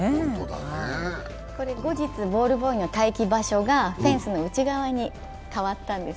後日、ボールボーイの待機場所がフェンスの内側になったんです。